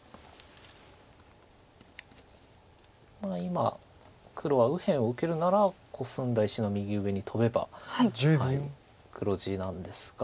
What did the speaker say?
今黒は右辺を受けるならコスんだ石の右上にトベば黒地なんですが。